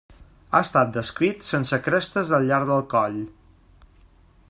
Ha estat descrit sense crestes al llarg del coll.